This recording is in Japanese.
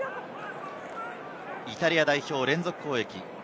イタリア代表、連続攻撃。